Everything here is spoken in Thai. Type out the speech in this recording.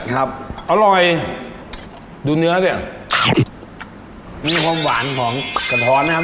ครับอร่อยดูเนื้อสิมีความหวานของกระท้อนนะครับ